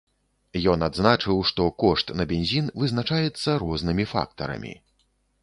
Ён адзначыў, што кошт на бензін вызначаецца рознымі фактарамі.